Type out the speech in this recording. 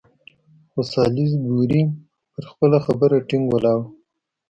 خو سالیزبوري پر خپله خبره ټینګ ولاړ وو.